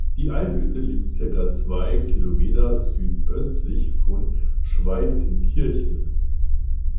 Die Einöde liegt circa zwei Kilometer südöstlich von Schweitenkirchen.